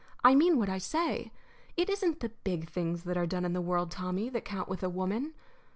"I mean what I say. It isn't the big things that are done in the world, Tommy, that count with a woman.